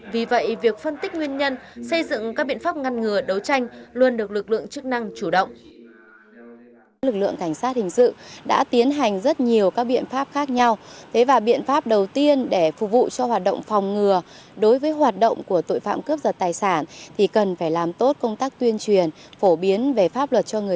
vì vậy việc phân tích nguyên nhân xây dựng các biện pháp ngăn ngừa đấu tranh luôn được lực lượng chức năng chủ động